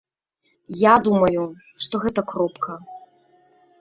Я думаю, што гэта кропка.